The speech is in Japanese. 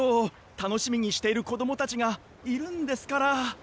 たのしみにしているこどもたちがいるんですから。